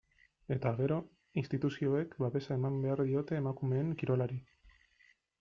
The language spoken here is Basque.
Eta, gero, instituzioek babesa eman behar diote emakumeen kirolari.